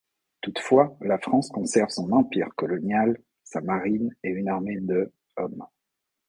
Toutefois, la France conserve son Empire colonial, sa marine et une armée de hommes.